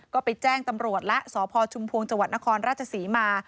ก็ไปแจ้งตำรวจละสพชมนภงจนครราชสีมา